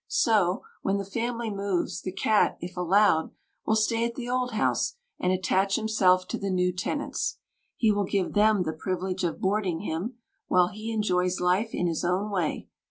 So, when the family moves, the cat, if allowed, will stay at the old house and attach himself to the new tenants. He will give them the privilege of boarding him while he enjoys life in his own way.